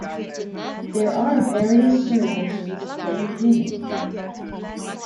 There are various services and units.